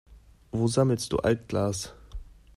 Wo sammelst du Altglas?